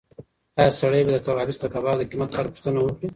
ایا سړی به د کبابي څخه د کباب د قیمت په اړه پوښتنه وکړي؟